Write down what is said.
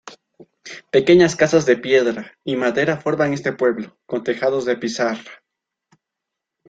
Pequeñas casas de piedra y madera forman este pueblo, con tejados de pizarra.